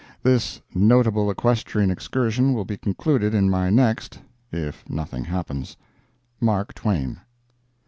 [This notable equestrian excursion will be concluded in my next, if nothing happens.] MARK TWAIN.